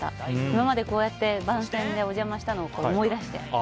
今までこうやって、番宣でお邪魔したのを思い出して。